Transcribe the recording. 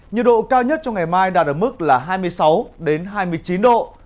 nhiều độ cao nhất cho ngày mai đạt ở mức là hai mươi sáu hai mươi chín độ